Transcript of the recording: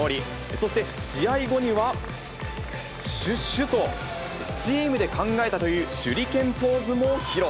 そして、試合後には、しゅっしゅっとチームで考えたという手裏剣ポーズも披露。